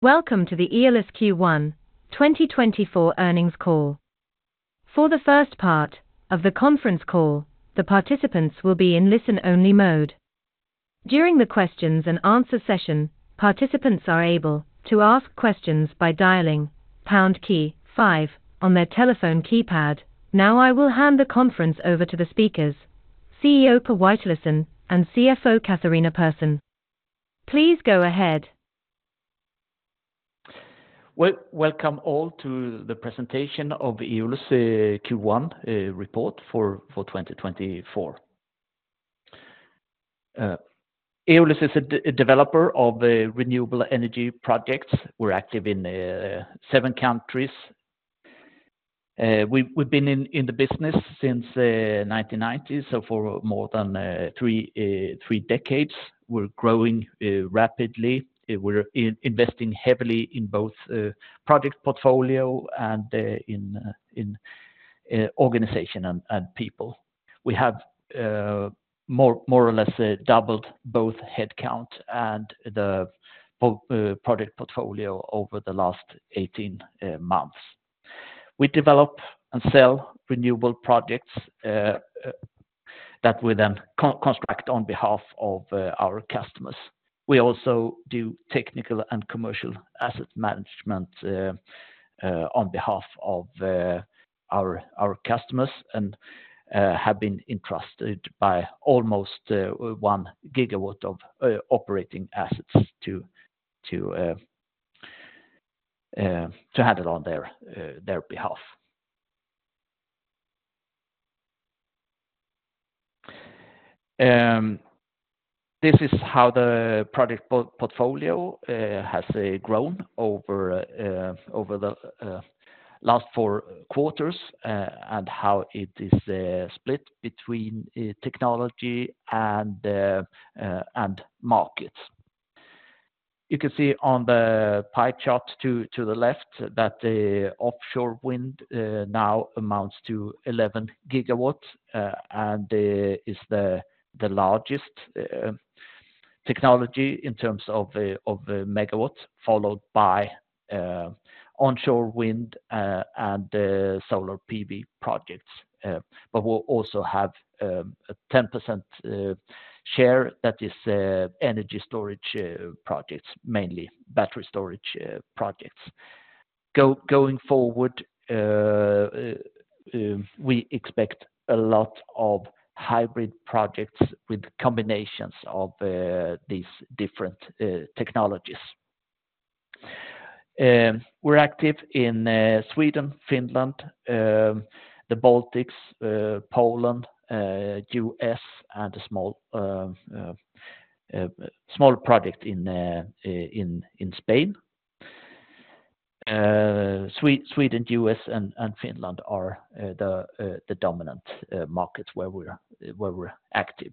Welcome to the Eolus Q1 2024 earnings call. For the first part of the conference call, the participants will be in listen-only mode. During the questions-and-answer session, participants are able to ask questions by dialing pound key five on their telephone keypad. Now, I will hand the conference over to the speakers, CEO, Per Witalisson and CFO, Catharina Persson. Please go ahead. Welcome all to the presentation of Eolus Q1 report for 2024. Eolus is a developer of renewable energy projects. We're active in seven countries. We've been in the business since 1990, so for more than three decades. We're growing rapidly. We're investing heavily in both project portfolio and organization and people. We have more or less doubled both headcount and the project portfolio over the last 18 months. We develop and sell renewable projects that we then construct on behalf of our customers. We also do technical and commercial asset management on behalf of our customers and have been entrusted by almost 1 GW of operating assets to handle on their behalf. This is how the project portfolio has grown over the last 4 quarters and how it is split between technology and markets. You can see on the pie chart to the left that the offshore wind now amounts to 11 GW and is the largest technology in terms of megawatts, followed by onshore wind and solar PV projects. But we'll also have a 10% share that is energy storage projects, mainly battery storage projects. Going forward, we expect a lot of hybrid projects with combinations of these different technologies. We're active in Sweden, Finland, the Baltics, Poland, U.S., and a small project in Spain. Sweden, U.S., and Finland are the dominant markets where we're active.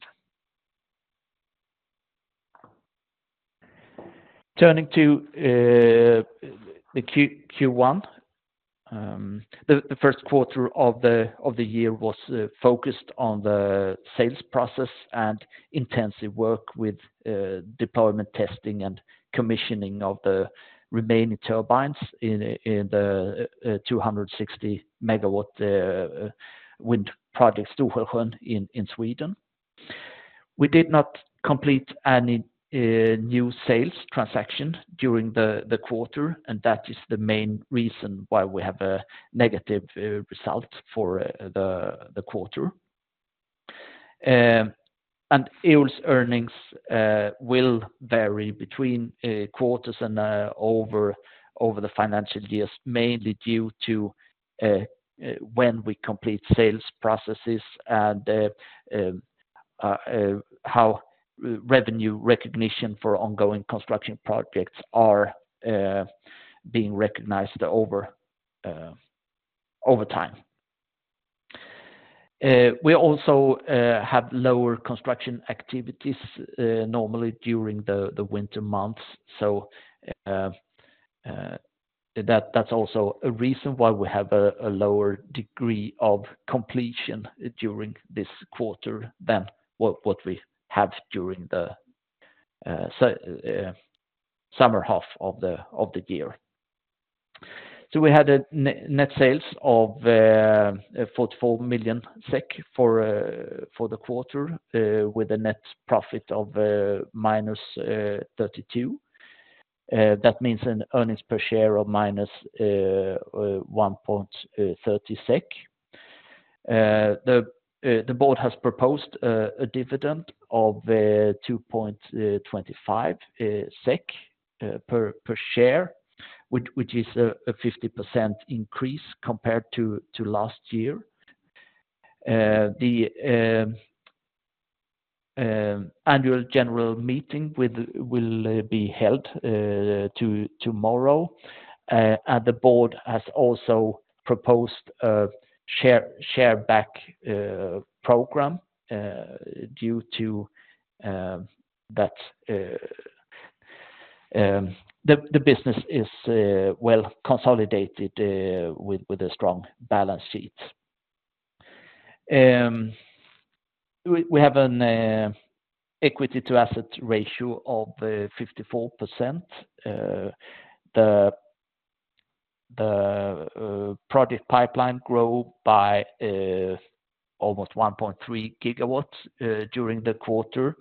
Turning to the Q1. The first quarter of the year was focused on the sales process and intensive work with deployment, testing, and commissioning of the remaining turbines in the 260 MW wind project, Stor-Skälsjön, in Sweden. We did not complete any new sales transaction during the quarter, and that is the main reason why we have a negative result for the quarter. Eolus earnings will vary between quarters and over the financial years, mainly due to when we complete sales processes and how revenue recognition for ongoing construction projects are being recognized over time. We also have lower construction activities normally during the winter months. That's also a reason why we have a lower degree of completion during this quarter than what we had during the summer half of the year. We had net sales of 44 million SEK for the quarter, with a net profit of -32 million. That means an earnings per share of -1.30 SEK. The Board has proposed a dividend of 2.25 SEK per share, which is a 50% increase compared to last year. The Annual General Meeting will be held tomorrow, and the Board has also proposed a share buyback program due to that. The business is well consolidated with a strong balance sheet. We have an equity to asset ratio of 54%. The project pipeline grow by almost 1.3 GW during the quarter.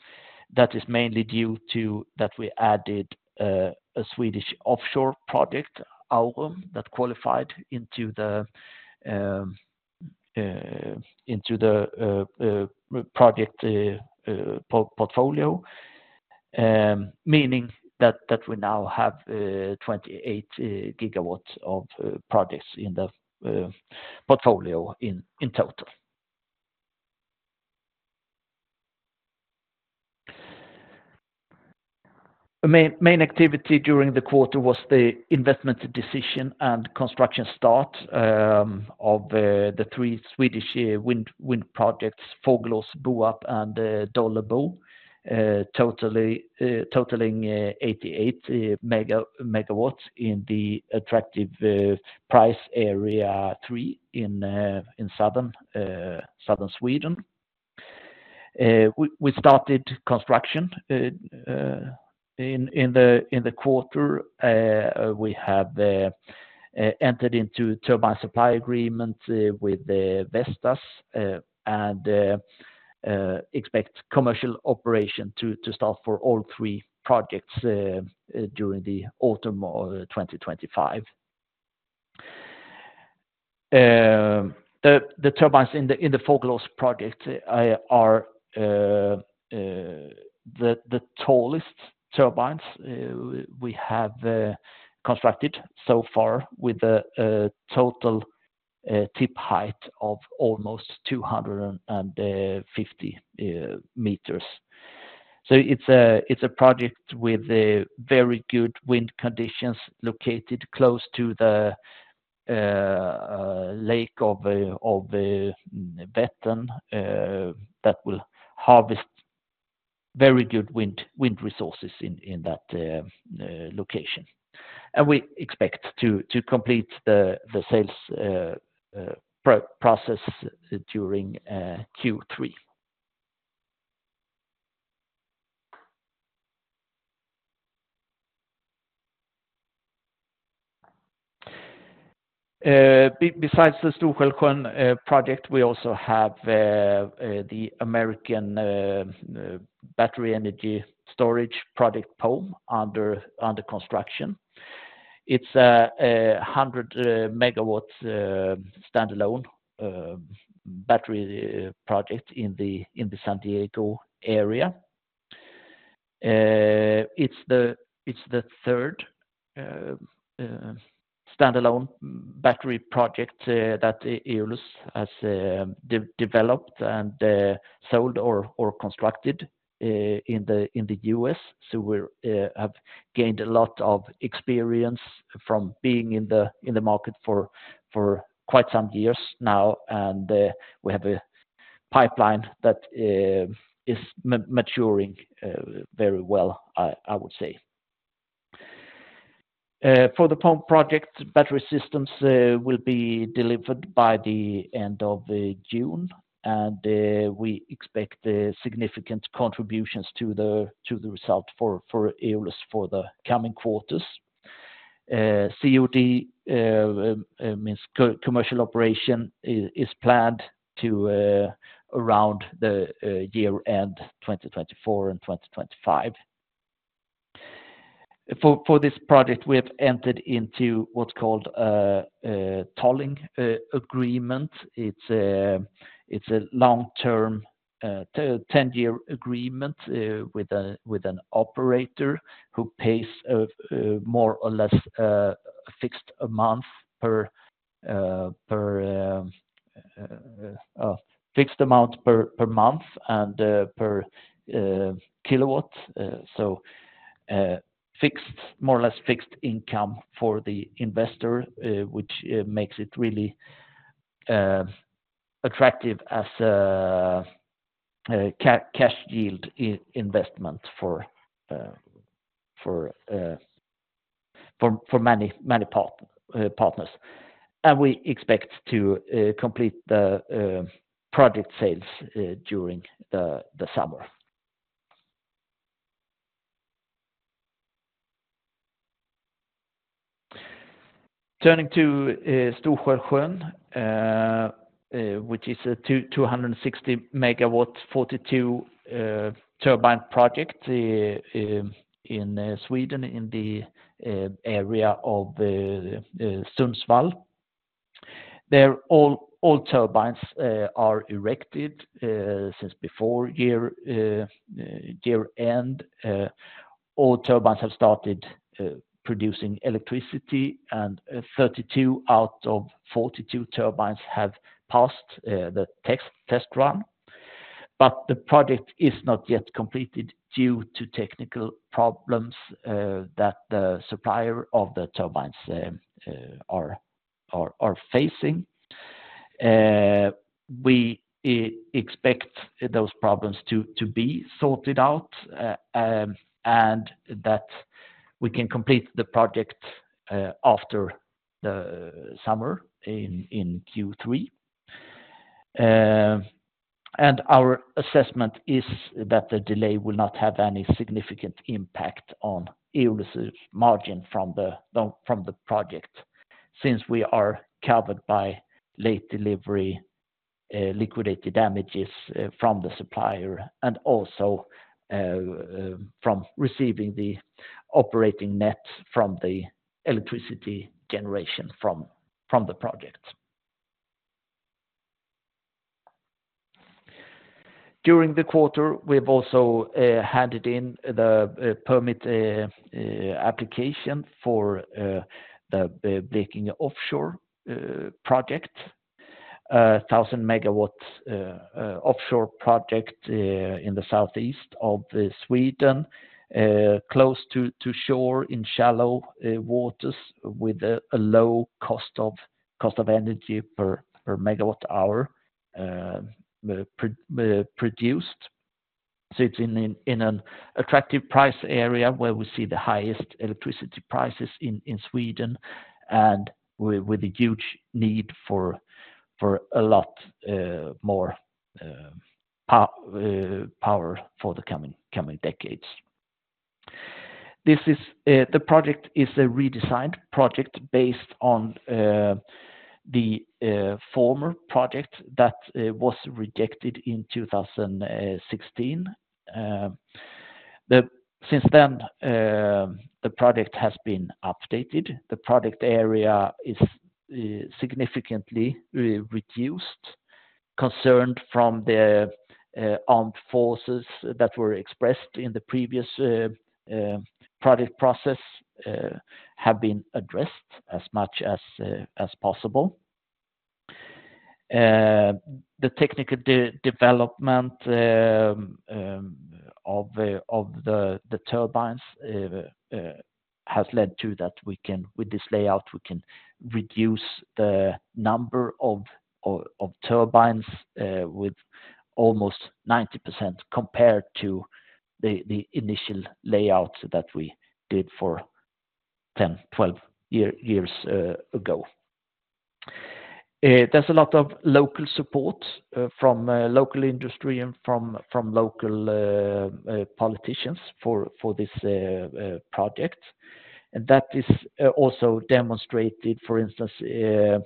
That is mainly due to that we added a Swedish offshore project, Aurum, that qualified into the project portfolio. Meaning that we now have 28 GW of projects in the portfolio in total. The main activity during the quarter was the investment decision and construction start of the three Swedish wind projects, Fågelås, Boarp, and Dållebo, totaling 88 MW in the attractive Price Area 3 in southern Sweden. We started construction in the quarter. We have entered into turbine supply agreement with Vestas and expect commercial operation to start for all three projects during the autumn of 2025. The turbines in the Fågelås project are the tallest turbines we have constructed so far with a total tip height of almost 250 meters. So it's a project with very good wind conditions located close to the lake of Vättern that will harvest very good wind resources in that location. And we expect to complete the sales process during Q3. Besides the Stor-Skälsjön project, we also have the American battery energy storage project, Pome, under construction. It's a 100 MW standalone battery project in the San Diego area. It's the third standalone battery project that Eolus has developed and sold or constructed in the U.S. So we have gained a lot of experience from being in the market for quite some years now, and we have a pipeline that is maturing very well, I would say. For the Pome project, battery systems will be delivered by the end of June, and we expect significant contributions to the result for Eolus for the coming quarters. COD means commercial operation and is planned for around year-end 2024 and 2025. For this project, we have entered into what's called a tolling agreement. It's a long-term 10-year agreement with an operator who pays more or less a fixed amount per fixed amount per month and per kilowatt. So, more or less fixed income for the investor, which makes it really attractive as a cash yield investment for many partners. We expect to complete the project sales during the summer. Turning to Stor-Skälsjön, which is a 260 MW, 42-turbine project in Sweden, in the area of Sundsvall. There, all turbines are erected since before year-end. All turbines have started producing electricity, and 32 out of 42 turbines have passed the test run. But the project is not yet completed due to technical problems that the supplier of the turbines are facing. We expect those problems to be sorted out, and that we can complete the project after the summer in Q3. And our assessment is that the delay will not have any significant impact on Eolus' margin from the project, since we are covered by late delivery liquidated damages from the supplier and also from receiving the operating nets from the electricity generation from the project. During the quarter, we've also handed in the permit application for the Blekinge Offshore project, 1,000 MW offshore project in the southeast of Sweden, close to shore in shallow waters with a low cost of energy per Megawatt-hour produced. So it's in an attractive price area where we see the highest electricity prices in Sweden, and with a huge need for a lot more power for the coming decades. This is the project is a redesigned project based on the former project that was rejected in 2016. Since then, the project has been updated. The project area is significantly reduced. Concern from the armed forces that were expressed in the previous project process have been addressed as much as possible. The technical development of the turbines has led to that we can with this layout we can reduce the number of turbines with almost 90% compared to the initial layout that we did 10-12 years ago. There's a lot of local support from local industry and from local politicians for this project. And that is also demonstrated, for instance, in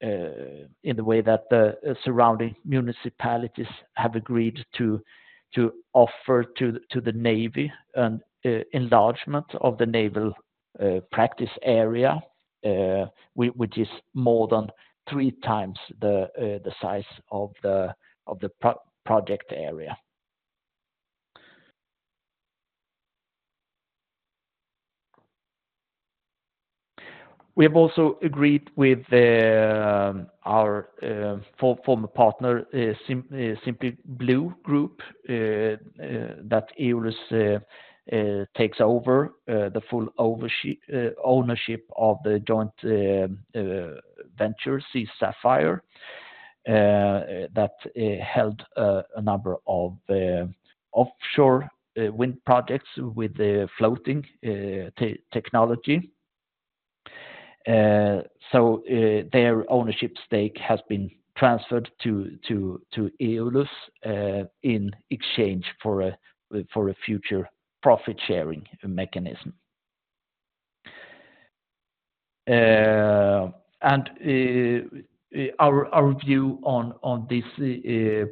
the way that the surrounding municipalities have agreed to offer to the Navy an enlargement of the naval practice area, which is more than three times the size of the project area. We have also agreed with our former partner, Simply Blue Group, that Eolus takes over the full ownership of the joint venture, SeaSapphire, that held a number of offshore wind projects with the floating technology. So their ownership stake has been transferred to Eolus in exchange for a future profit-sharing mechanism. Our view on these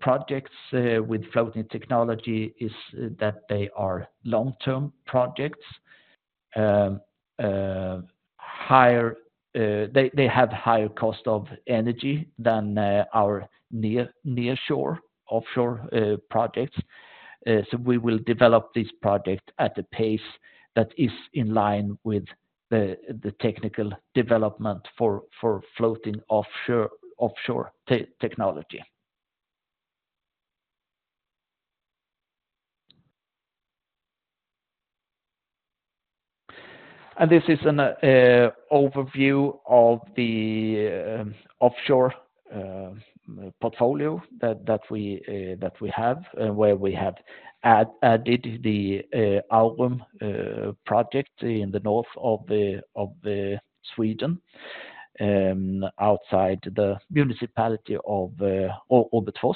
projects with floating technology is that they are long-term projects. They have higher cost of energy than our nearshore offshore projects. So we will develop this project at a pace that is in line with the technical development for floating offshore technology. And this is an overview of the offshore portfolio that we have, where we have added the Aurum project in the north of Sweden, outside the municipality of Övertorneå.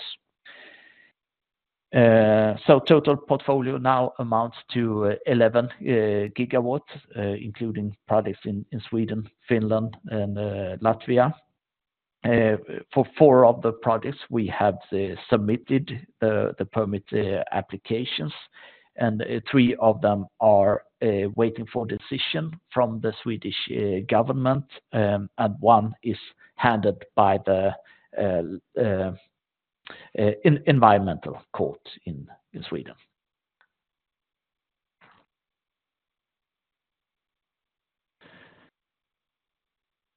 So total portfolio now amounts to 11 GW, including projects in Sweden, Finland, and Latvia. For four of the projects, we have submitted the permit applications, and three of them are waiting for decision from the Swedish government, and one is handled by the environmental court in Sweden.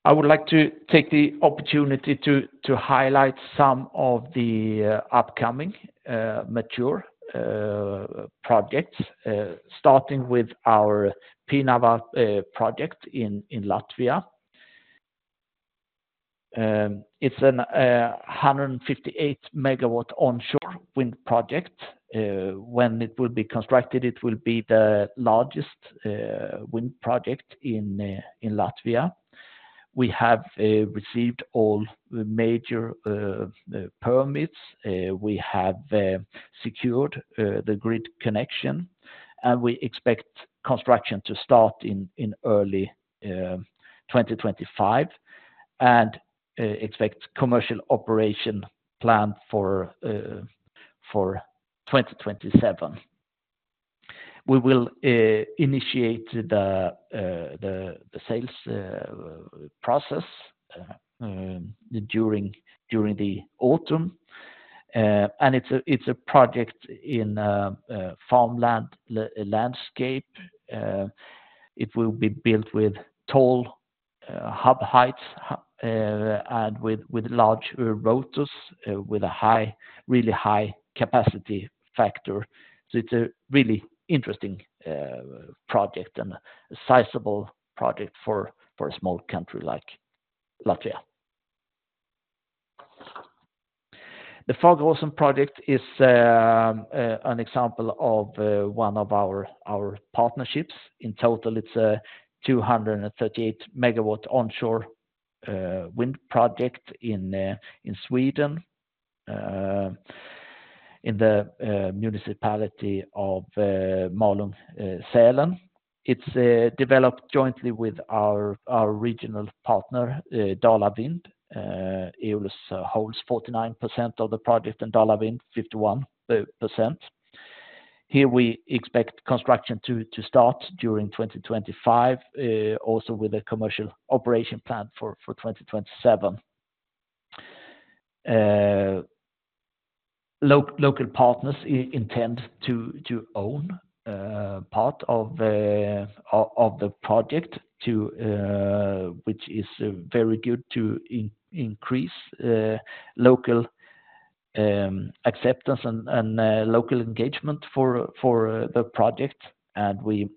I would like to take the opportunity to highlight some of the upcoming mature projects, starting with our Pienava project in Latvia. It's a 158 MW onshore wind project. When it will be constructed, it will be the largest wind project in Latvia. We have received all the major permits. We have secured the grid connection, and we expect construction to start in early 2025, and expect commercial operation planned for 2027. We will initiate the sales process during the autumn. It's a project in farmland landscape. It will be built with tall hub heights and with large rotors with a really high capacity factor. It's a really interesting project and a sizable project for a small country like Latvia. The Fageråsen project is an example of one of our partnerships. In total, it's a 238 MW onshore wind project in Sweden in the municipality of Malung-Sälen. It's developed jointly with our regional partner Dala Vind. Eolus holds 49% of the project and Dala Vind 51%. Here we expect construction to start during 2025, also with a commercial operation plan for 2027. Local partners intend to own part of the project, which is very good to increase local acceptance and local engagement for the project. We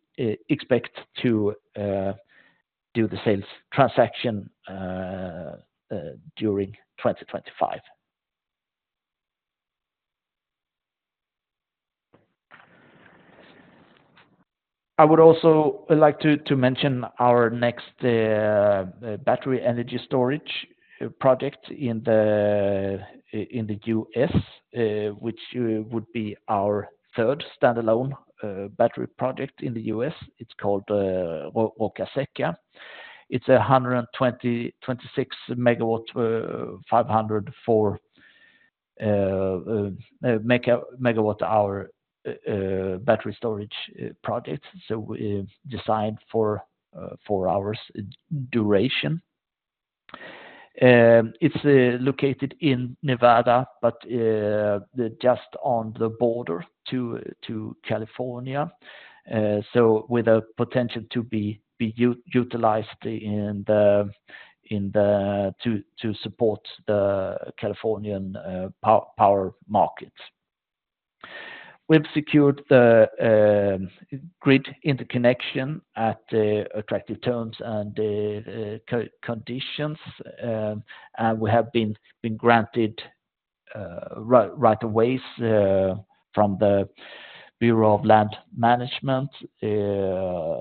expect to do the sales transaction during 2025. I would also like to mention our next battery energy storage project in the U.S, which would be our third standalone battery project in the U.S. It's called Roccasecca. It's a 126 MW / 504 MWh battery storage project, so designed for four hours duration. It's located in Nevada, but just on the border to California. So with a potential to be utilized in the to support the Californian power markets. We've secured the grid interconnection at attractive terms and conditions, and we have been granted rights of way from the Bureau of Land Management that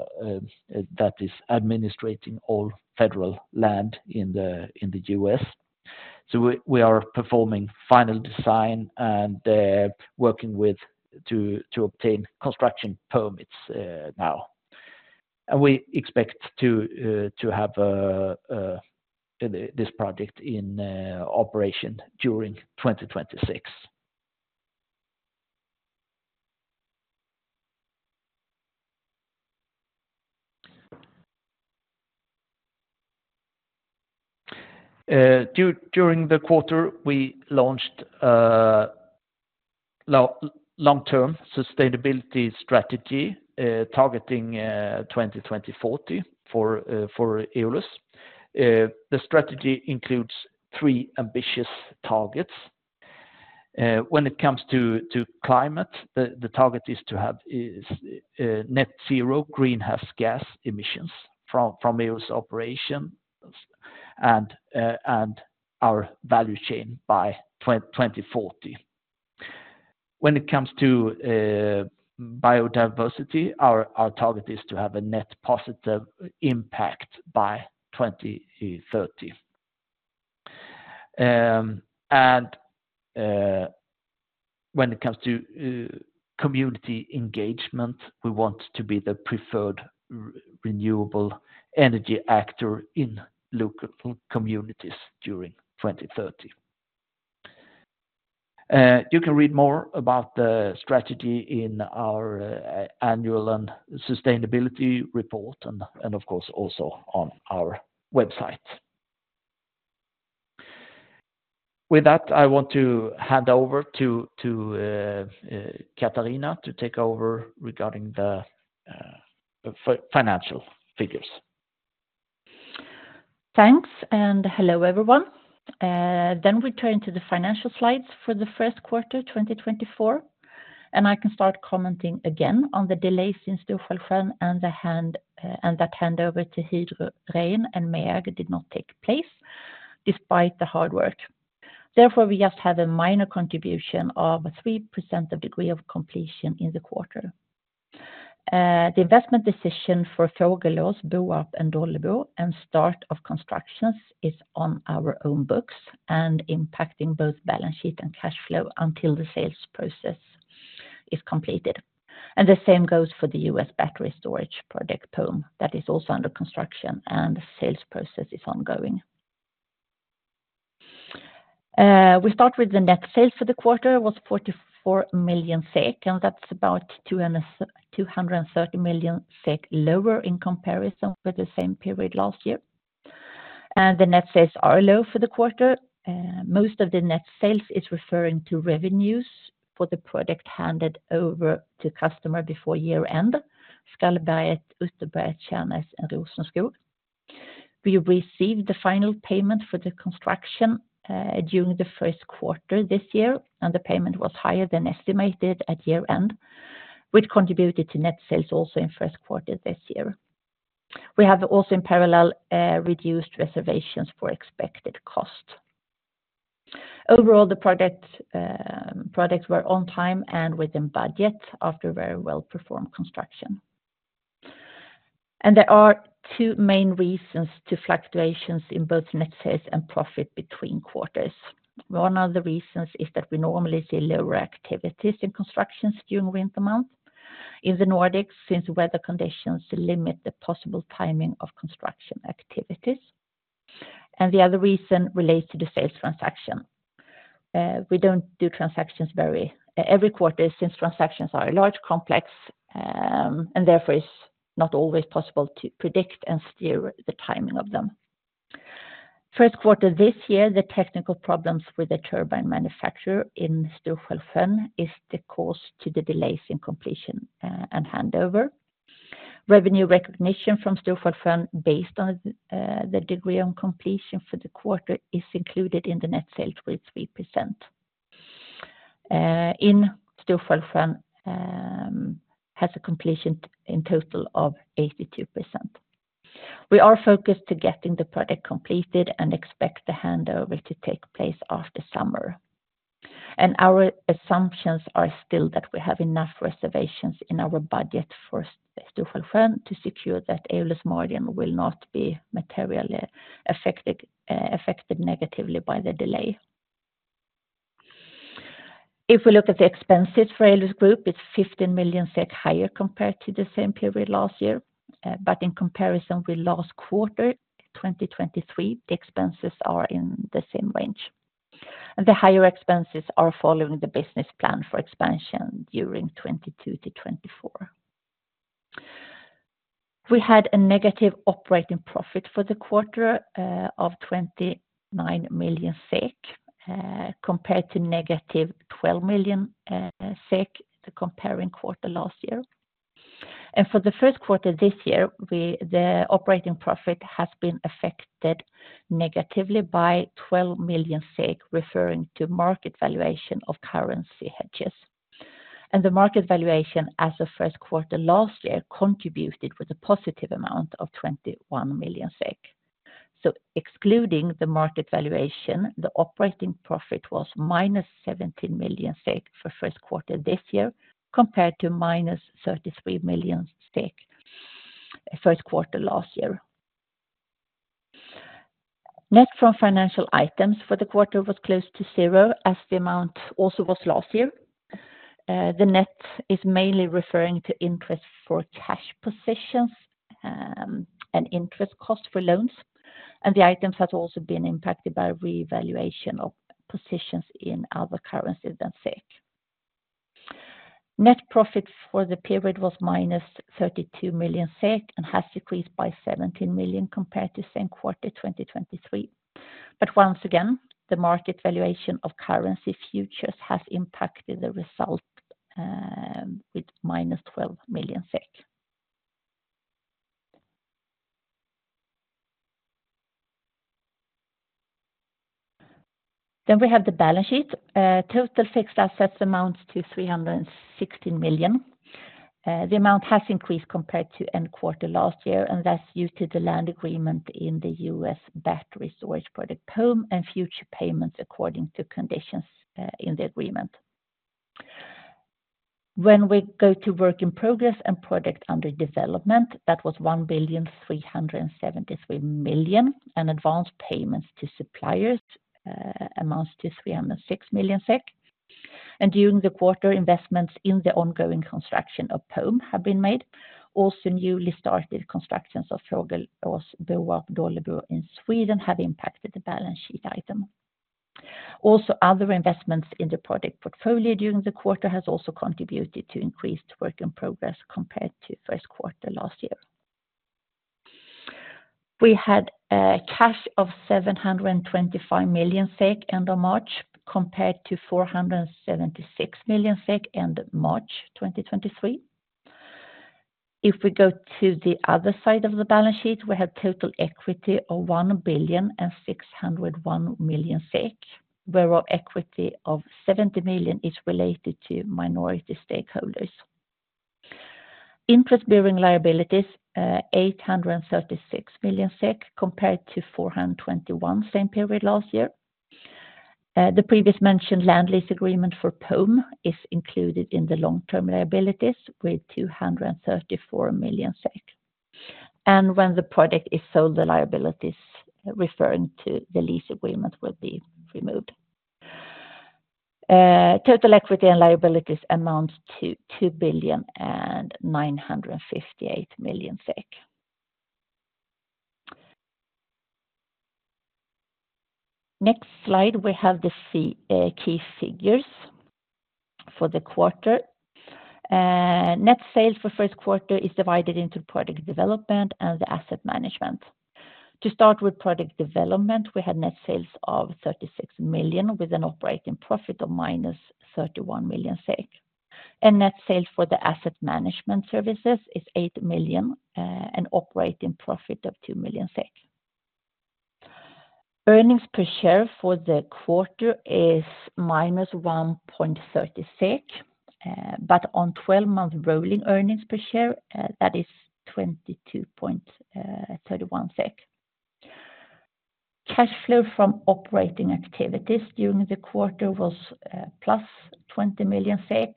is administering all federal land in the U.S. So we are performing final design, and they're working with to obtain construction permits now. And we expect to have this project in operation during 2026. During the quarter, we launched a long-term sustainability strategy targeting 2040 for Eolus. The strategy includes three ambitious targets. When it comes to climate, the target is to have net zero greenhouse gas emissions from Eolus operations and our value chain by 2040. When it comes to biodiversity, our target is to have a net positive impact by 2030. And when it comes to community engagement, we want to be the preferred renewable energy actor in local communities during 2030. You can read more about the strategy in our Annual and Sustainability Report and, of course, also on our website. With that, I want to hand over to Catharina to take over regarding the financial figures. Thanks, and hello, everyone. Then we turn to the financial slides for the first quarter 2024. I can start commenting again on the delays in Stor-Skälsjön and the handover to Hydro Rein and MEAG did not take place despite the hard work. Therefore, we just have a minor contribution of 3% degree of completion in the quarter. The investment decision for Fågelås, Boarp and Dållebo, and start of constructions is on our own books, and impacting both balance sheet and cash flow until the sales process is completed. The same goes for the U.S. battery storage project, Pome, that is also under construction, and the sales process is ongoing. We start with the net sales for the quarter was 44 million SEK, and that's about 230 million SEK lower in comparison with the same period last year. The net sales are low for the quarter, most of the net sales is referring to revenues for the projects handed over to customer before year-end, Skallberget/Utterberget, Tjärnäs, and Rosenskog. We received the final payment for the construction during the first quarter this year, and the payment was higher than estimated at year-end, which contributed to net sales also in first quarter this year. We have also, in parallel, reduced reservations for expected cost. Overall, the project, projects were on time and within budget after very well-performed construction. There are two main reasons to fluctuations in both net sales and profit between quarters. One of the reasons is that we normally see lower activities in constructions during winter months. In the Nordics, since weather conditions limit the possible timing of construction activities. The other reason relates to the sales transaction. We don't do transactions every quarter, since transactions are a large, complex, and therefore it's not always possible to predict and steer the timing of them. First quarter this year, the technical problems with the turbine manufacturer in Stor-Skälsjön is the cause to the delays in completion, and handover. Revenue recognition from Stor-Skälsjön, based on the degree of completion for the quarter, is included in the net sales with 3%. In Stor-Skälsjön has a completion in total of 82%. We are focused to getting the project completed and expect the handover to take place after summer. Our assumptions are still that we have enough reservations in our budget for Stor-Skälsjön to secure that Eolus' margin will not be materially affected negatively by the delay. If we look at the expenses for Eolus Group, it's 15 million SEK higher compared to the same period last year. But in comparison with last quarter, 2023, the expenses are in the same range. And the higher expenses are following the business plan for expansion during 2022-2024. We had a negative operating profit for the quarter of 29 million SEK compared to negative 12 million SEK, the comparable quarter last year. And for the first quarter this year, the operating profit has been affected negatively by 12 million, referring to market valuation of currency hedges. The market valuation as of first quarter last year contributed with a positive amount of 21 million SEK. Excluding the market valuation, the operating profit was -17 million for first quarter this year, compared to -33 million, first quarter last year. Net from financial items for the quarter was close to zero, as the amount also was last year. The net is mainly referring to interest for cash positions, and interest costs for loans, and the items have also been impacted by revaluation of positions in other currencies than Swedish krona. Net profit for the period was -32 million SEK, and has decreased by 17 million compared to same quarter 2023. Once again, the market valuation of currency futures has impacted the result, with SEK -12 million. We have the balance sheet. Total fixed assets amounts to 316 million. The amount has increased compared to end quarter last year, and that's due to the land agreement in the U.S. battery storage project, Pome, and future payments according to conditions in the agreement. When we go to work in progress and projects under development, that was 1.373 billion, and advanced payments to suppliers amounts to 306 million SEK. During the quarter, investments in the ongoing construction of Pome have been made. Also, newly started constructions of Fågelås, Boarp, Dållebo in Sweden have impacted the balance sheet item. Also, other investments in the project portfolio during the quarter has also contributed to increased work in progress compared to first quarter last year. We had cash of 725 million SEK end of March, compared to 476 million SEK end of March 2023. If we go to the other side of the balance sheet, we have total equity of 1.601 billion, where our equity of 70 million is related to minority stakeholders. Interest-bearing liabilities, 836 million SEK, compared to 421 million same period last year. The previous mentioned land lease agreement for Pome is included in the long-term liabilities with 234 million. And when the project is sold, the liabilities referring to the lease agreement will be removed. Total equity and liabilities amounts to SEK 2.958 billion. Next slide, we have the key figures for the quarter. Net sales for first quarter is divided into Project Development and Asset Management. To start with Project Development, we had net sales of 36 million, with an operating profit of -31 million SEK. Net sales for the Asset Management Services is 8 million, and operating profit of 2 million SEK. Earnings per share for the quarter is -1.30 SEK, but on 12-month rolling earnings per share, that is 22.31 SEK. Cash flow from operating activities during the quarter was +20 million SEK,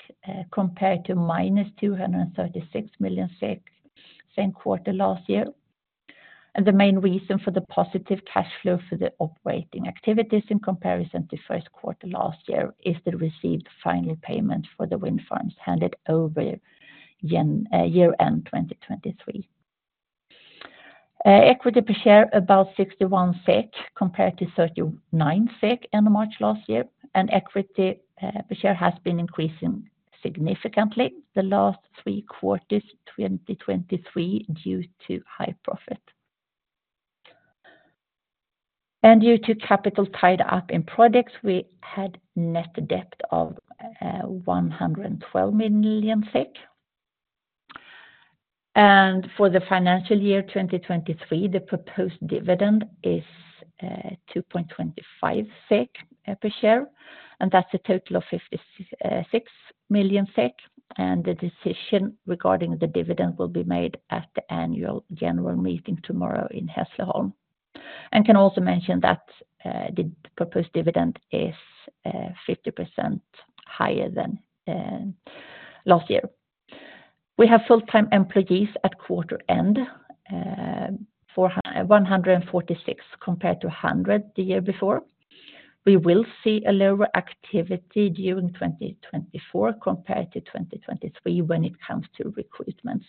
compared to -236 million SEK, same quarter last year. The main reason for the positive cash flow for the operating activities in comparison to first quarter last year is the received final payment for the wind farms handed over year end 2023. Equity per share, about 61 SEK, compared to 39 SEK in March last year, and equity per share has been increasing significantly the last three quarters, 2023, due to high profit. Due to capital tied up in projects, we had net debt of 112 million SEK. For the financial year 2023, the proposed dividend is 2.25 SEK per share, and that's a total of 56 million SEK, and the decision regarding the dividend will be made at the Annual General Meeting tomorrow in Hässleholm. I can also mention that the proposed dividend is 50% higher than last year. We have full-time employees at quarter end, 146, compared to 100 the year before. We will see a lower activity during 2024 compared to 2023 when it comes to recruitments.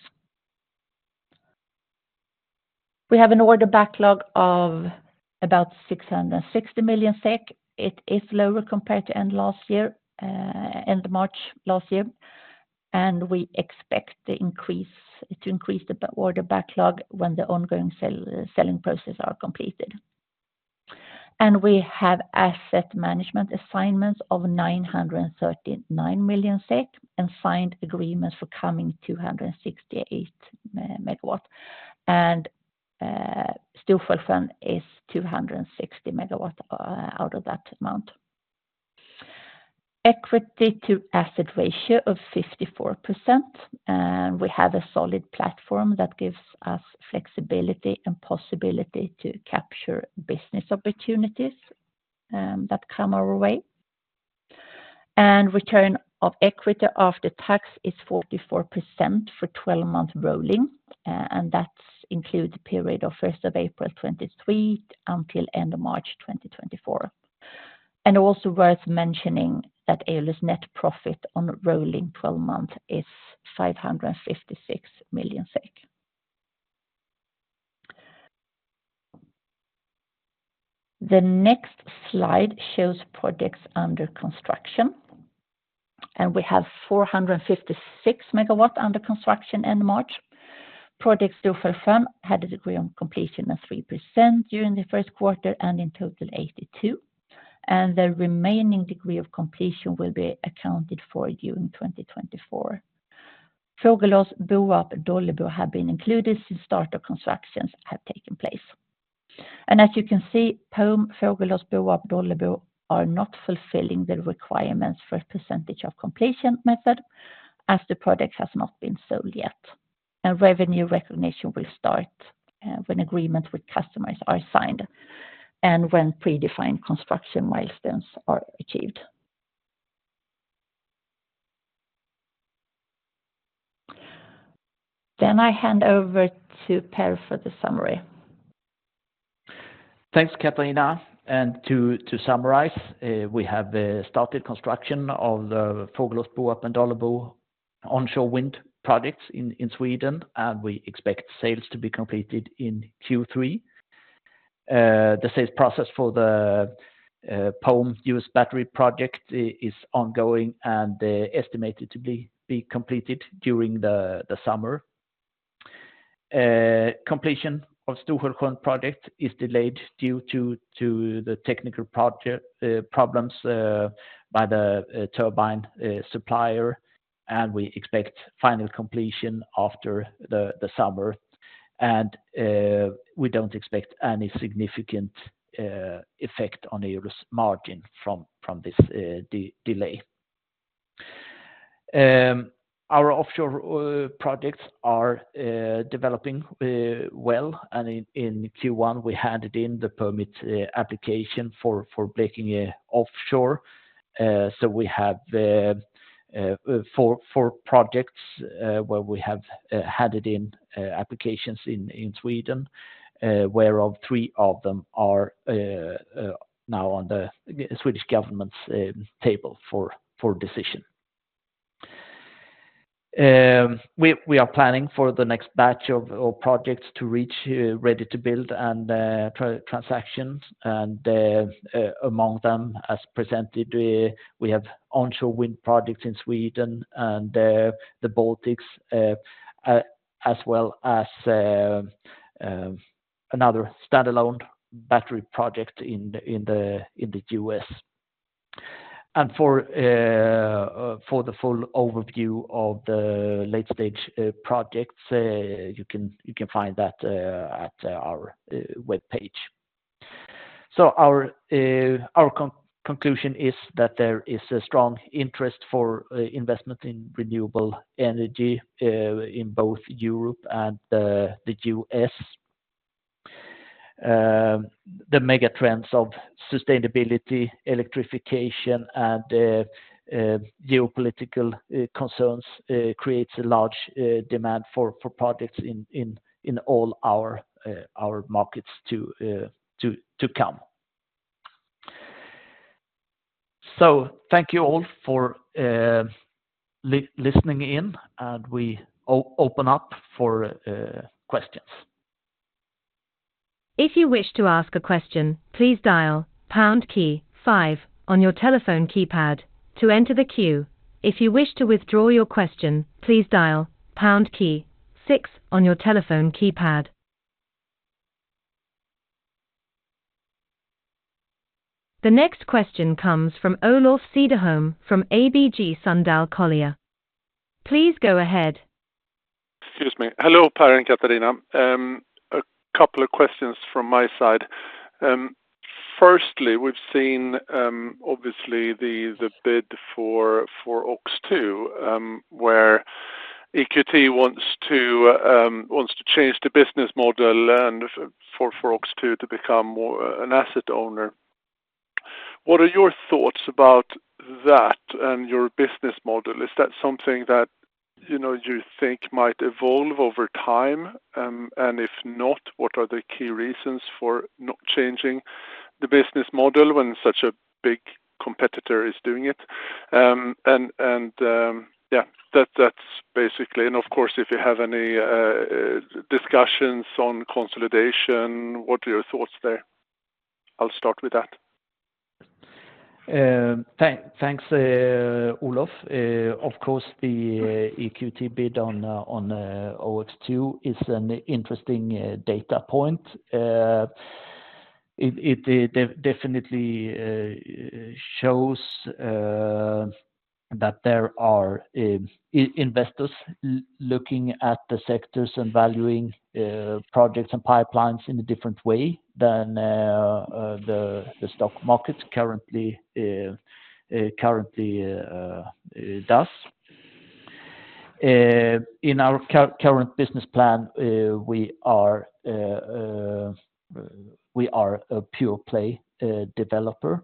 We have an order backlog of about 660 million SEK. It is lower compared to end last year, end March last year, and we expect to increase the order backlog when the ongoing selling process are completed. And we have asset management assignments of 939 million SEK, and signed agreements for coming 268 MW. And Stor-Skälsjön is 260 MW out of that amount. Equity to asset ratio of 54%, and we have a solid platform that gives us flexibility and possibility to capture business opportunities that come our way. Return on equity after tax is 44% for 12-month rolling, and that's includes the period of first of April 2023 until end of March 2024. And also worth mentioning that Eolus' net profit on rolling 12-month is SEK 556 million. The next slide shows projects under construction, and we have 456 MW under construction end March. Project Stor-Skälsjön had a degree of completion of 3% during the first quarter, and in total 82%, and the remaining degree of completion will be accounted for during 2024. Fågelås, Boarp, Dållebo have been included since start of constructions have taken place. And as you can see, Pome, Fågelås, Boarp, Dållebo are not fulfilling the requirements for a percentage of completion method, as the project has not been sold yet. Revenue recognition will start when agreements with customers are signed, and when predefined construction milestones are achieved. Then I hand over to Per for the summary. Thanks, Catharina. To summarize, we have started construction of the Fågelås, Boarp, and Dållebo onshore wind projects in Sweden, and we expect sales to be completed in Q3. The sales process for the Pome U.S. battery project is ongoing, and estimated to be completed during the summer. Completion of Stor-Skälsjön project is delayed due to the technical project problems by the turbine supplier, and we expect final completion after the summer. We don't expect any significant effect on Eolus's margin from this delay. Our offshore projects are developing well, and in Q1, we handed in the permit application for Blekinge Offshore. So we have four projects where we have handed in applications in Sweden, whereof three of them are now on the Swedish government's table for decision. We are planning for the next batch of projects to reach ready-to-build and transactions, and among them, as presented, we have onshore wind projects in Sweden and the Baltics, as well as another standalone battery project in the U.S. And for the full overview of the late-stage projects, you can find that at our webpage. So our conclusion is that there is a strong interest for investment in renewable energy in both Europe and the U.S. The mega trends of sustainability, electrification, and geopolitical concerns creates a large demand for projects in all our markets to come. So thank you all for listening in, and we open up for questions. If you wish to ask a question, please dial pound key five on your telephone keypad to enter the queue. If you wish to withdraw your question, please dial pound key six on your telephone keypad. The next question comes from Olof Cederholm, from ABG Sundal Collier. Please go ahead. Excuse me. Hello, Per and Catharina. A couple of questions from my side. Firstly, we've seen, obviously, the bid for OX2, where EQT wants to change the business model and for OX2 to become more an asset owner. What are your thoughts about that and your business model? Is that something that, you know, you think might evolve over time? And if not, what are the key reasons for not changing the business model when such a big competitor is doing it? And, yeah, that's basically... And of course, if you have any discussions on consolidation, what are your thoughts there? I'll start with that. Thanks, Olof. Of course, the EQT bid on OX2 is an interesting data point. It definitely shows that there are investors looking at the sectors and valuing projects and pipelines in a different way than the stock market currently does. In our current business plan, we are a pure play developer.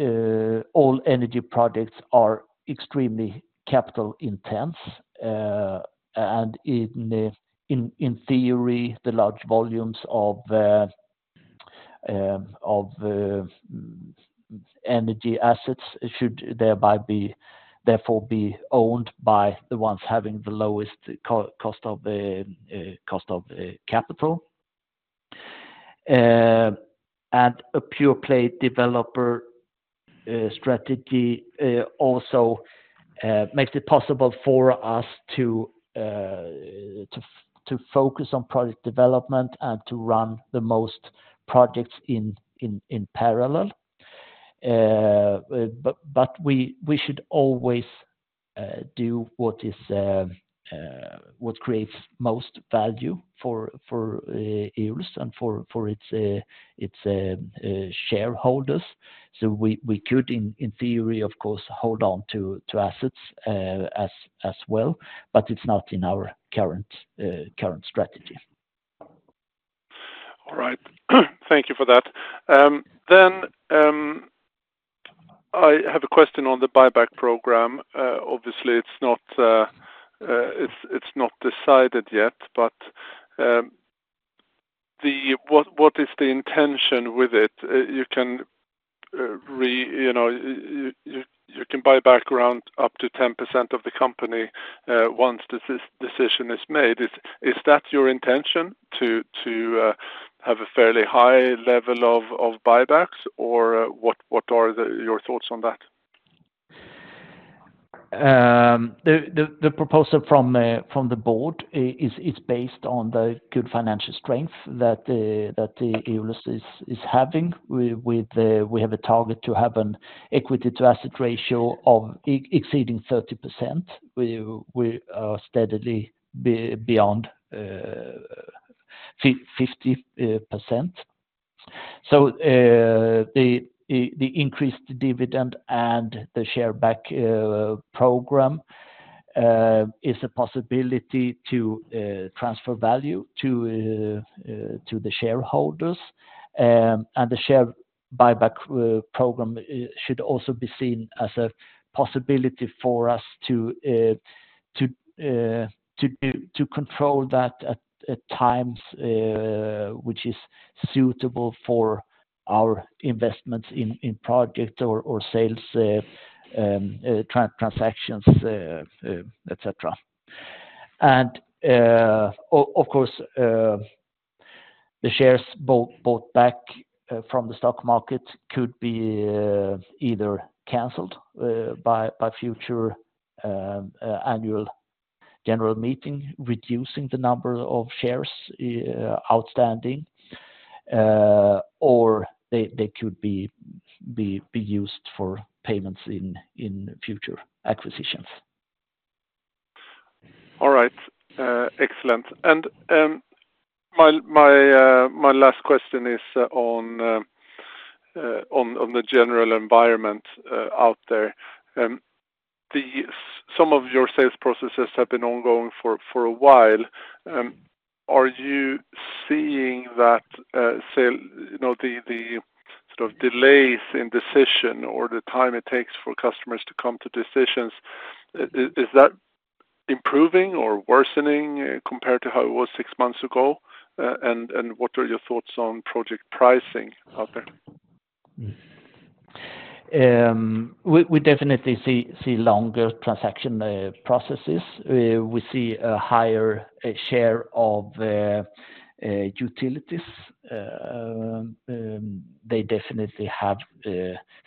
All energy projects are extremely capital intense, and in theory, the large volumes of energy assets should therefore be owned by the ones having the lowest cost of capital. And a pure play developer strategy also makes it possible for us to focus on project development and to run the most projects in parallel. But we should always do what creates most value for Eolus and for its shareholders. So we could, in theory, of course, hold on to assets as well, but it's not in our current strategy. All right. Thank you for that. I have a question on the buyback program. Obviously, it's not decided yet, but what is the intention with it? You know, you can buy back around up to 10% of the company once this decision is made. Is that your intention to have a fairly high level of buybacks, or what are your thoughts on that? The proposal from the Board is based on the good financial strength that Eolus is having. We have a target to have an equity-to-asset ratio exceeding 30%. We are steadily beyond 50%. So, the increased dividend and the share buyback program is a possibility to transfer value to the shareholders. And the share buyback program should also be seen as a possibility for us to control that at times which is suitable for our investments in project or sales transactions, et cetera. Of course, the shares bought back from the stock market could be either canceled by future Annual General Meeting, reducing the number of shares outstanding, or they could be used for payments in future acquisitions. All right, excellent. And my last question is on the general environment out there. Some of your sales processes have been ongoing for a while. Are you seeing that sale, you know, the sort of delays in decision or the time it takes for customers to come to decisions, is that improving or worsening compared to how it was six months ago? And what are your thoughts on project pricing out there? We definitely see longer transaction processes. We see a higher share of utilities. They definitely have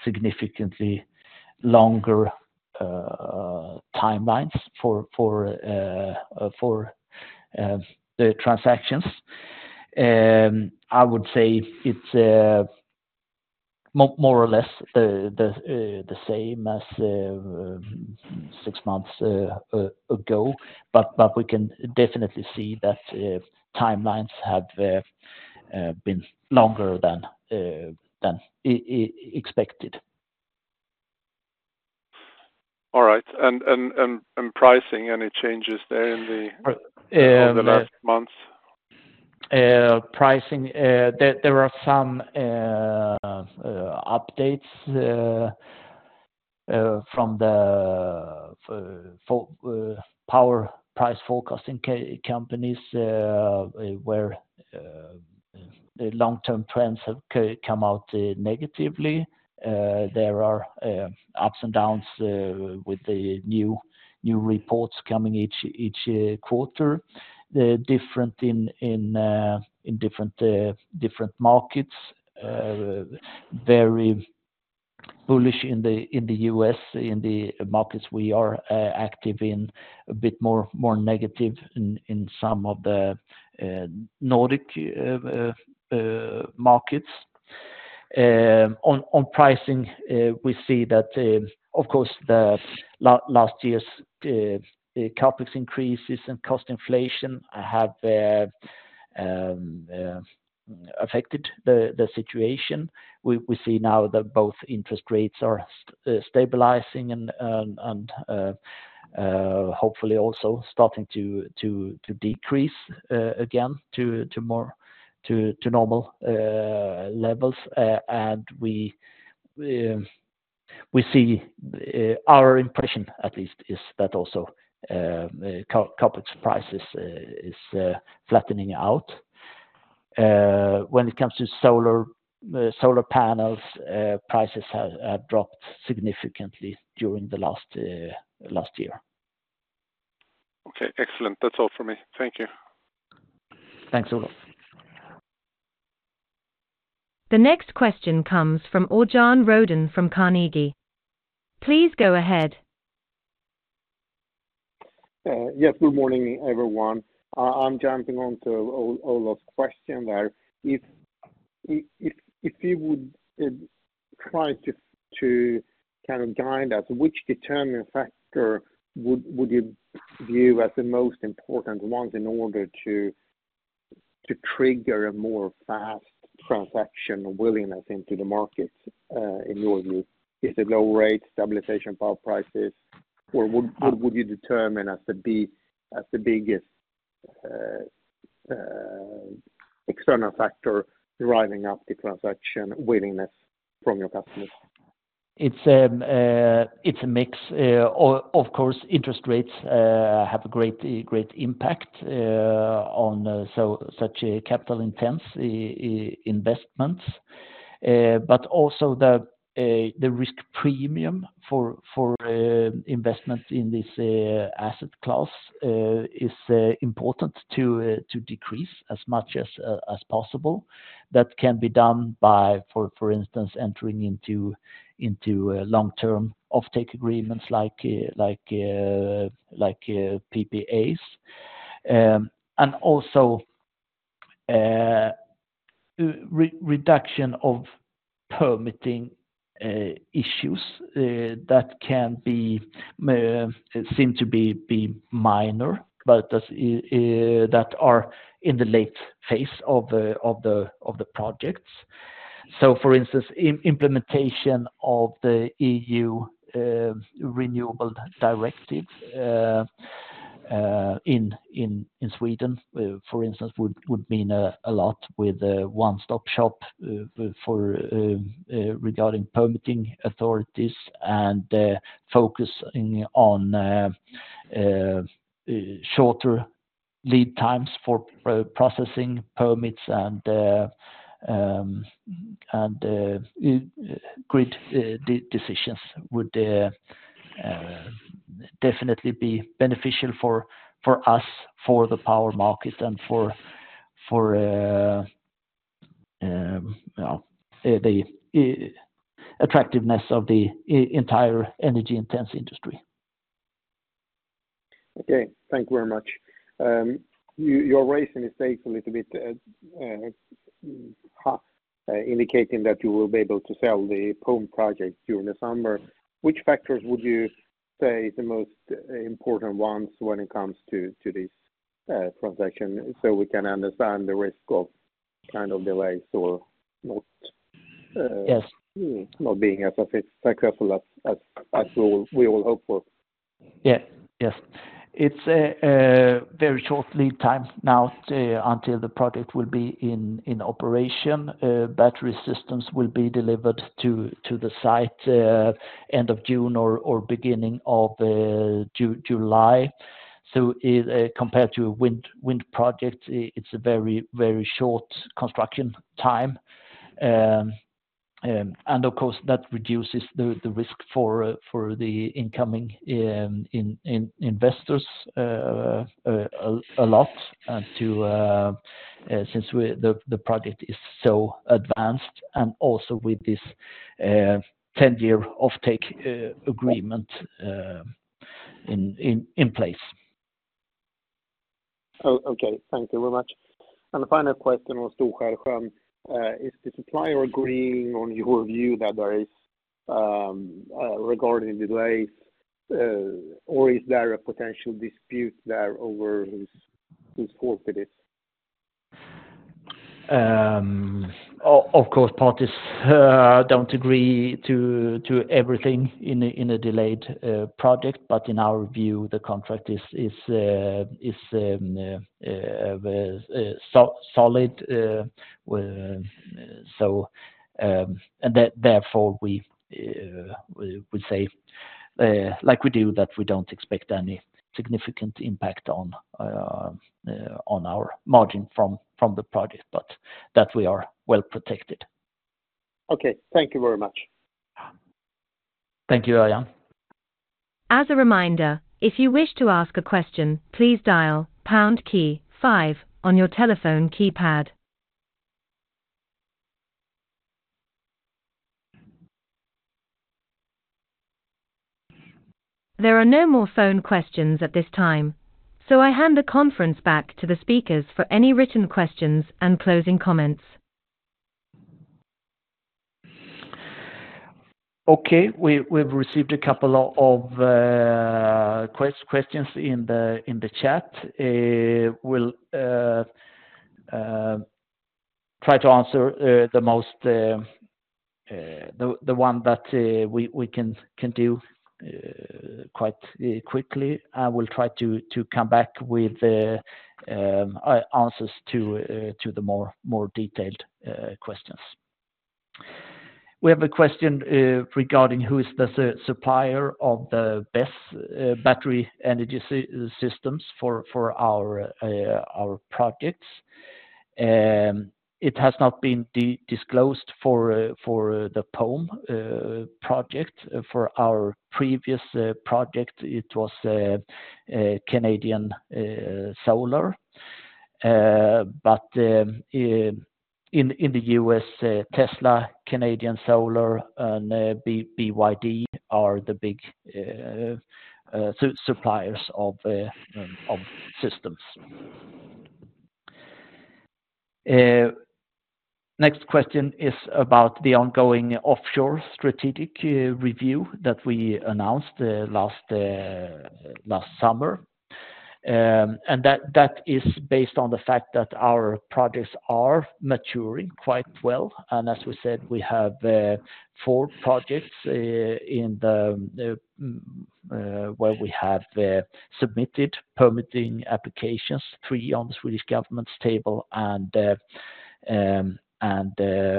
significantly longer timelines for the transactions. I would say it's more or less the same as six months ago. But we can definitely see that timelines have been longer than expected. All right. And pricing, any changes there in the over the last months? Pricing, there are some updates from the power price forecasting companies, where the long-term trends have come out negatively. There are ups and downs with the new reports coming each quarter. The difference in different markets, very bullish in the U.S., in the markets we are active in, a bit more negative in some of the Nordic markets. On pricing, we see that, of course, the last year's CapEx increases and cost inflation have affected the situation. We see now that both interest rates are stabilizing and hopefully also starting to decrease again to more normal levels. And we see our impression at least is that also CapEx prices is flattening out. When it comes to solar solar panels prices have dropped significantly during the last year. Okay, excellent. That's all for me. Thank you. Thanks, Olof. The next question comes from Örjan Rödén from Carnegie. Please go ahead. Yes, good morning, everyone. I'm jumping onto Olof's question there. If you would try to kind of guide us, which determining factor would you view as the most important ones in order to trigger a more fast transaction willingness into the markets, in your view? Is it low rates, stabilization power prices, or what, what would you determine as the biggest external factor driving up the transaction willingness from your customers? It's a mix. Of course, interest rates have a great, great impact on such a capital intense investments. But also the risk premium for investments in this asset class is important to decrease as much as possible. That can be done by, for instance, entering into long-term offtake agreements like PPAs. And also reduction of permitting issues that can seem to be minor, but that are in the late phase of the projects. So for instance, implementation of the EU renewable directive in Sweden, for instance, would mean a lot with a one-stop shop for regarding permitting authorities and focusing on shorter lead times for processing permits and grid decisions would definitely be beneficial for us, for the power market and for, well, the attractiveness of the entire energy-intense industry. Okay, thank you very much. You, you're raising the stakes a little bit, indicating that you will be able to sell the Pome project during the summer. Which factors would you say the most important ones when it comes to this transaction, so we can understand the risk of kind of delays or not? Yes. Not being as successful as we will, we all hope for. Yes. Yes. It's a very short lead time now until the project will be in operation. Battery systems will be delivered to the site end of June or beginning of July. So, compared to a wind project, it's a very, very short construction time. And of course, that reduces the risk for the incoming investors a lot, and too, since the project is so advanced, and also with this 10-year offtake agreement in place. Oh, okay. Thank you very much. And the final question on Stor-Skälsjön, is the supplier agreeing on your view that there is, regarding delays, or is there a potential dispute there over whose, whose fault it is? Of course, parties don't agree to everything in a delayed project, but in our view, the contract is solid, and therefore, we would say, like we do, that we don't expect any significant impact on our margin from the project, but that we are well protected. Okay. Thank you very much. Thank you, Örjan. As a reminder, if you wish to ask a question, please dial pound key five on your telephone keypad. There are no more phone questions at this time, so I hand the conference back to the speakers for any written questions and closing comments. Okay. We've received a couple of questions in the chat. We'll try to answer the most, the one that we can do quite quickly. I will try to come back with answers to the more detailed questions. We have a question regarding who is the supplier of the BESS, Battery Energy Storage Systems, for our projects. It has not been disclosed for the Pome project. For our previous project, it was a Canadian Solar. But in the U.S., Tesla, Canadian Solar, and BYD are the big suppliers of systems. Next question is about the ongoing offshore strategic review that we announced last summer. And that is based on the fact that our projects are maturing quite well, and as we said, we have four projects in the where we have submitted permitting applications, three on the Swedish government's table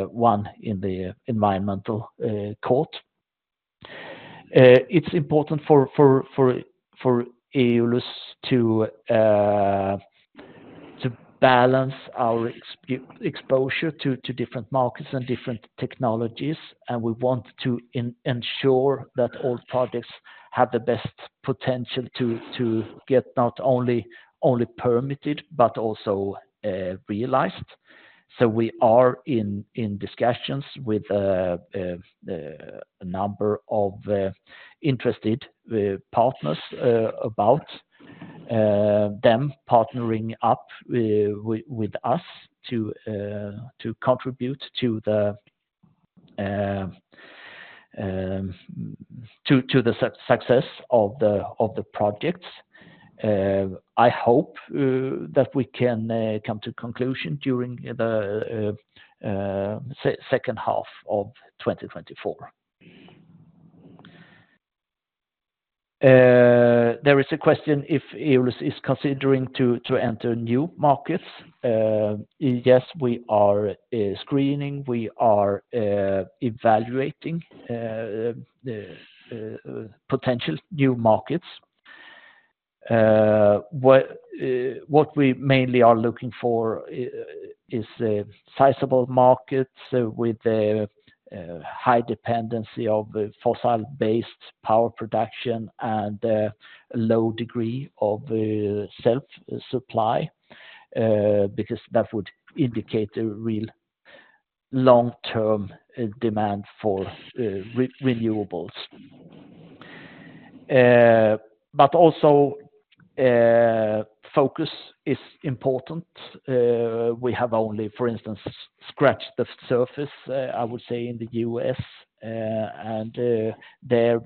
and one in the environmental court. It's important for Eolus to balance our exposure to different markets and different technologies, and we want to ensure that all projects have the best potential to get not only permitted, but also realized. So we are in discussions with a number of interested partners about them partnering up with us to contribute to the success of the projects. I hope that we can come to conclusion during the second half of 2024. There is a question if Eolus is considering to enter new markets? Yes, we are screening, we are evaluating potential new markets. What we mainly are looking for is sizable markets with a high dependency of fossil-based power production and low degree of self-supply because that would indicate a real long-term demand for renewables. But also focus is important. We have only, for instance, scratched the surface, I would say, in the U.S., and there,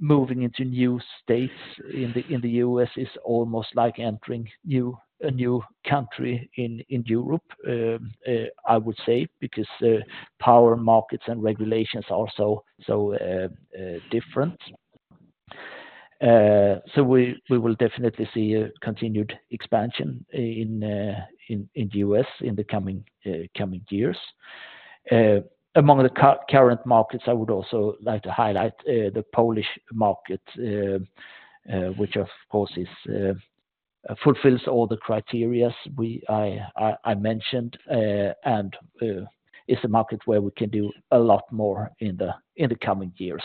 moving into new states in the U.S. is almost like entering a new country in Europe, I would say, because power markets and regulations are so different. So we will definitely see a continued expansion in the U.S. in the coming years. Among the current markets, I would also like to highlight the Polish market, which, of course, fulfills all the criteria we mentioned, and is a market where we can do a lot more in the coming years.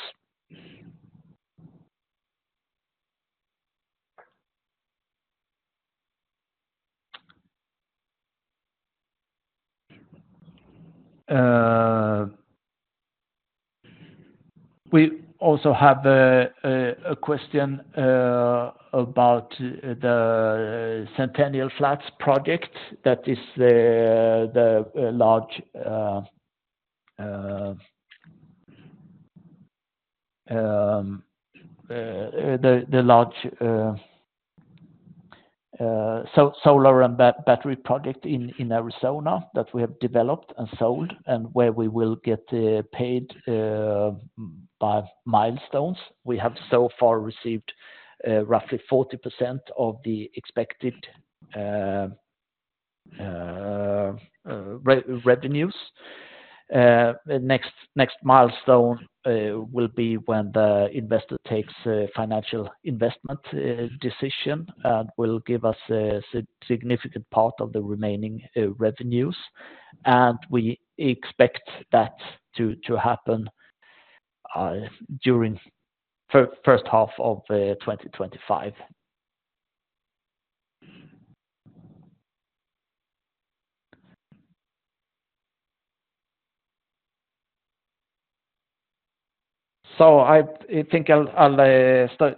We also have a question about the Centennial Flats project. That is the large solar and battery project in Arizona that we have developed and sold, and where we will get paid by milestones. We have so far received roughly 40% of the expected revenues. The next milestone will be when the investor takes a financial investment decision, and will give us a significant part of the remaining revenues, and we expect that to happen during first half of 2025. So I think I'll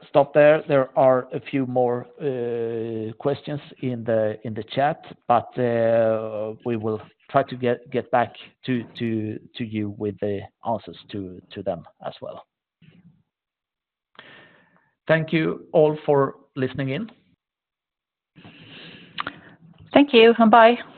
stop there. There are a few more questions in the chat, but we will try to get back to you with the answers to them as well. Thank you all for listening in. Thank you, and bye!